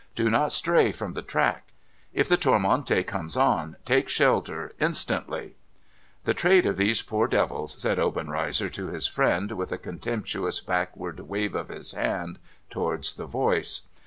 Do not stray from the track. If the Tonrmenie comes on, take shelter instantly !'' The trade of these poor devils !' said Obenreizer to his friend, with a contemptuous backward wave of his hand towards the voice.